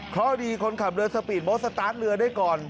เพราะดีคนขับเรือสปีดโบสตาร์ทเรือได้ก่อน